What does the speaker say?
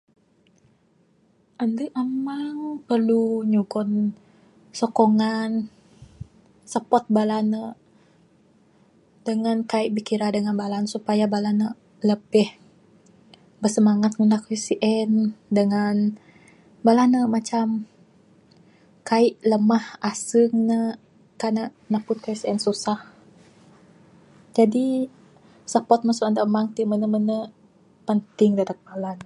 Andu amang perlu nyugon sokongan, support bala ne dengan kaik bikira dengan bala ne supaya bala ne labih bersemangat ngundah kayuh sien. Dengan bala ne macam kaik lemah asung ne kan ne napud kayuh sien susah. Jadi, support masu andu amang tik menu-menu penting dadeg bala ne.